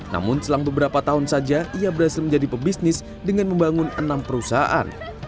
namun selang beberapa tahun saja ia berhasil menjadi pebisnis dengan membangun enam perusahaan